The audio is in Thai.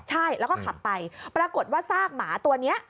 ใช่แล้วก็ขับไปปรากฏว่าซากหมาตัวนี้